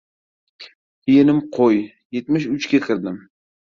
— Yilim qo‘y, yetmish uchga kirdim.